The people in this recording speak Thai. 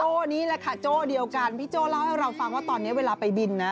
นี่แหละค่ะโจ้เดียวกันพี่โจ้เล่าให้เราฟังว่าตอนนี้เวลาไปบินนะ